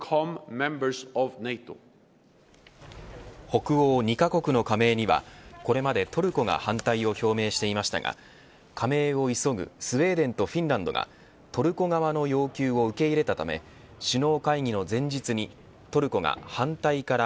北欧２カ国の加盟にはこれまでトルコが反対を表明していましたが加盟を急ぐスウェーデンとフィンランドがトルコ側の要求を受け入れたため首脳会議の前日にトルコが反対から